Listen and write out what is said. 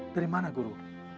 dari mana guru